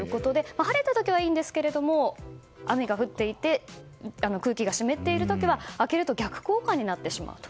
晴れた時はいいですが雨が降っていて空気が湿っている時は開けると逆効果になってしまうと。